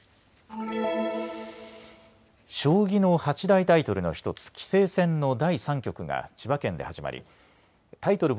将棋の八大タイトルの１つ棋聖戦の第３局が千葉県で始まりタイトル